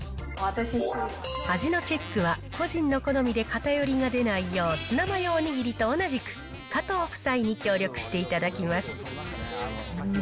味のチェックは、個人の好みで偏りが出ないよう、ツナマヨお握りと同じく加藤夫妻に協力していただきます。